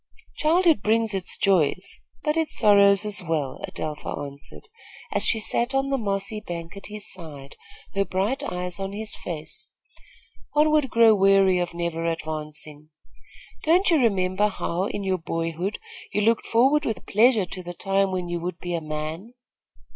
"Childhood brings its joys, but its sorrows as well," Adelpha answered, as she sat on the mossy bank at his side, her bright eyes on his face. "One would grow weary of never advancing. Don't you remember how, in your boyhood, you looked forward with pleasure to the time when you would be a man?"